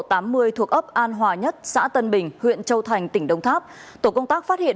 thuộc ấp an hòa nhất xã tân bình huyện châu thành tỉnh đông tháp tổ công tác phát hiện